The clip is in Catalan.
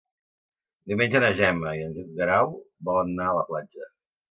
Diumenge na Gemma i en Guerau volen anar a la platja.